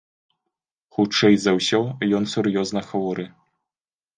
Хутчэй за ўсё, ён сур'ёзна хворы.